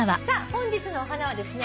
本日のお花はですね